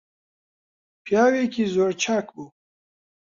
پیاوێکی زۆر چاک بوو